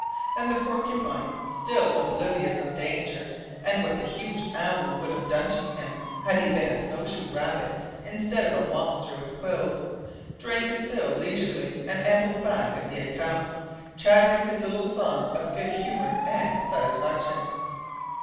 And the porcupine, still oblivious of danger and what the huge owl would have done to him had he been a snowshoe rabbit instead of a monster of quills, drank his fill leisurely and ambled back as he had come, chattering his little song of good humour and satisfaction.